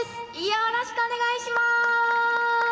よろしくお願いします。